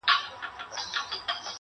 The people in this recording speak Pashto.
چي ستا گېډي او بچیو ته په کار وي!!